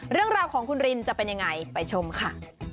เรื่องราวของคุณรินจะเป็นยังไงไปชมค่ะ